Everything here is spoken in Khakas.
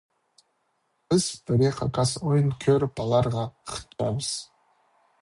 Піс пірее хакас ойын кӧріп аларға хынчабыс.